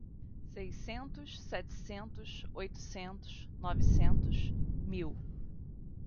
seiscentos, setecentos, oitocentos, novecentos, mil.